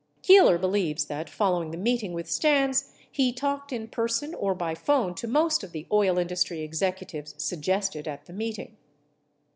Keeler believes that, following the meeting with Stans, he talked in person or by phone to most of the oil industry executives suggested at the meeting.